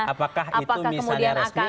apakah itu misalnya resmi